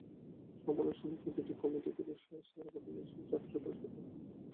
সমাপনী অনুষ্ঠানে প্রতিটি কমিটি থেকে সেরা প্রতিনিধিসহ চারটি ধাপে পুরস্কৃত করা হয়।